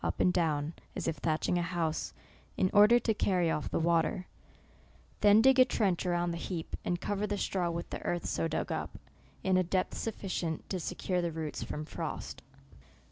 up and down, as if thatching a house, in order to carry off the water ; then dig a trench a round the heap, and cover the straw with the earth so dug up, in a depth sufficient to se~ cure the roots from frost.